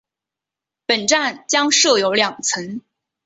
本站将设有两层。